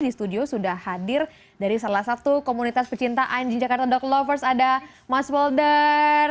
di studio sudah hadir dari salah satu komunitas pecintaan di jakarta dog lovers ada mas welder